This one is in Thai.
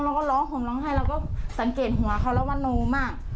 เราก็ร้องห่มร้องไห้เราก็สังเกตหัวเขาแล้วว่าโนมาก